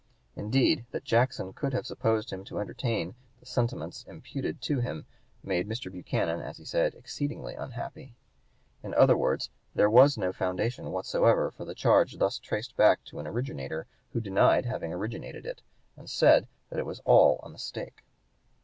Indeed, that Jackson could have supposed him to entertain the sentiments imputed to him made Mr. Buchanan, as he said, "exceedingly unhappy." In other words, there was no foundation whatsoever for the charge thus traced back to an originator who denied having originated it and said that it was all a mistake.